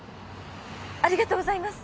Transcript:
ありがとうございます。